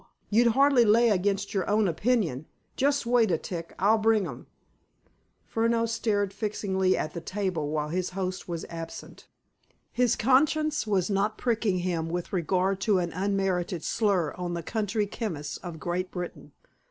You'd hardly lay against your own opinion. Just wait a tick. I'll bring 'em." Furneaux stared fixedly at the table while his host was absent. His conscience was not pricking him with regard to an unmerited slur on the country chemists of Great Britain.